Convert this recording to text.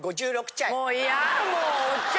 もういやもう！